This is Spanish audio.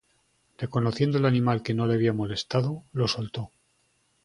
Reconociendo el animal que no le había molestado, lo soltó.